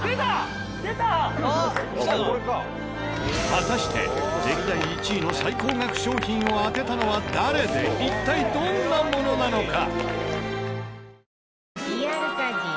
果たして歴代１位の最高額商品を当てたのは誰で一体どんなものなのか？